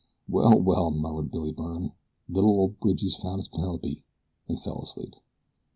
"Well, well," murmured Billy Byrne; "li'l ol' Bridgie's found his Penelope," and fell asleep.